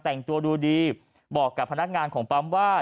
แต่งตัวดูดีบอกกับพนักงานของปั๊มว่า